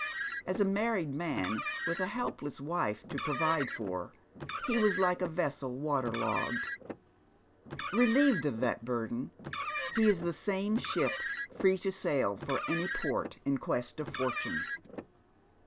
As a manied man with a helpless wife to provide for, he was like a vessel waterlogged ; relieved of that burden, heis the same ship free to sail for any port in quest of foiiune.